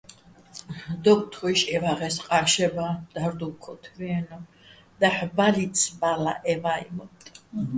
დოკთხუშ ჺევაღე́ს ყა́ნშება და́რდუვ ქოთთვიენო̆: დაჰ̦ ბა́ლიც ბალაჼ ე ვა́იჼ მოტტ.